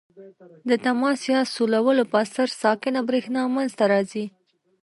د تماس یا سولولو په اثر ساکنه برېښنا منځ ته راځي.